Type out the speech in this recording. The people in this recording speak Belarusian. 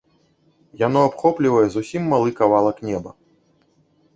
Яно абхоплівае зусім малы кавалак неба.